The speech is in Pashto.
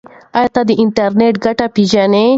ایا ته د انټرنیټ ګټې پیژنې؟